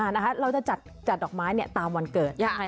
นี่เราจะจัดดอกไม้เนี่ยตามวันเกิด